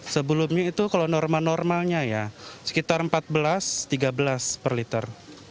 sebelumnya itu kalau normal normalnya ya sekitar empat belas tiga belas per liter